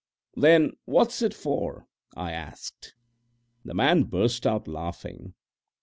"Then what's it for?" I asked. The man burst out laughing.